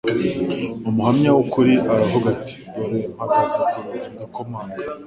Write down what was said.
Umuhamya w'ukuri aravuga ati: «Dore mpagaze ku rugi ndakomanga.”